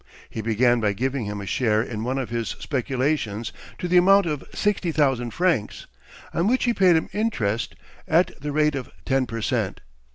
He began by giving him a share in one of his speculations to the amount of sixty thousand francs, on which he paid him interest at the rate of ten per cent.